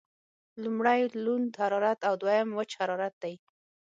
لمړی لوند حرارت او دویم وچ حرارت دی.